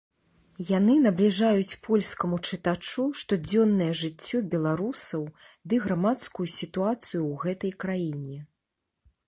Яны набліжаюць польскаму чытачу штодзённае жыццё беларусаў ды грамадскую сітуацыю ў гэтай краіне.